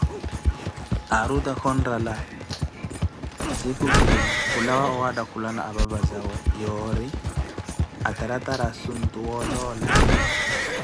Aari otakha onrala, sinkhu kiina khulawa owattakhulana apapazawe yoori ataratari asuntu wooloola.